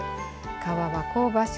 皮は香ばしく